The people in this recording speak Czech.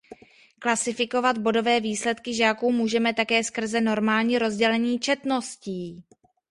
Klasifikovat bodové výsledky žáků můžeme také skrze normální rozdělení četností.